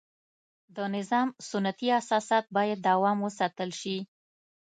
د نظام سنتي اساسات باید دوام وساتل شي.